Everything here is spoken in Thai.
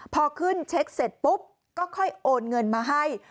พอขึ้นเช็คเสร็จปุ๊บก็ค่อยโอนเงินมาให้